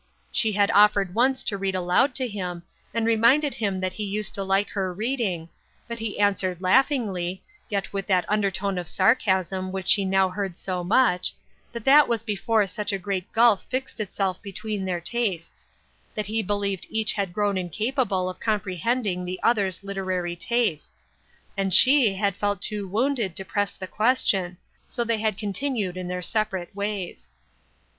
She had offered once to read aloud to him, and reminded him that he used to like her reading, but he answered laughingly, yet with that undertone of sarcasm which she now heard so much, that that was before such a great gulf fixed itself between their tastes ; that he be lieved each had grown incapable of comprehending the other's literary tastes ; and she had felt too wounded to press the question, so they had con tinued in their separate ways.